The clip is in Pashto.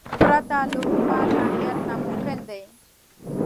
پرته له حکومت امنیت ناممکن دی.